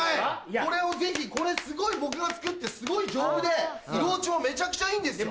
これをぜひこれすごい僕が作ってすごい丈夫で色落ちもめちゃくちゃいいんですよ。